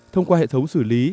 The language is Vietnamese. thông qua hệ thống xử lý